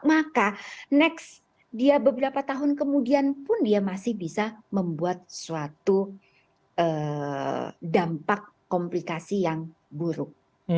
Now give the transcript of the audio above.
maka next dia beberapa tahun kemudian pun dia masih bisa membuat suatu dampak komplikasi yang buruk